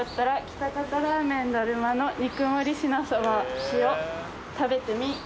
「喜多方ラーメン達磨の肉盛りしなそば食べてみ！」